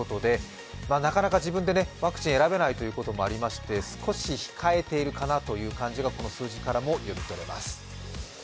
なかなか自分でワクチンを選べないということもありまして、少し控えているかなという感じが数字からも読み取れます。